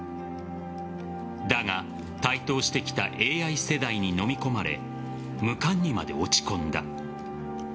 だが、台頭してきたＡＩ世代にのみ込まれ無冠にまで落ち込んだ。